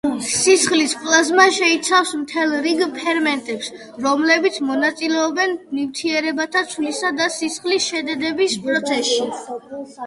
სისხლის პლაზმა შეიცავს მთელ რიგ ფერმენტებს, რომლებიც მონაწილეობენ ნივთიერებათა ცვლისა და სისხლის შედედების პროცესში.